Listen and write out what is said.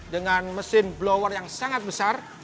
dengan mesin blower yang sangat besar